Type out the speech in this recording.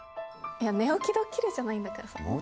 寝起きドッキリじゃないんだからさ。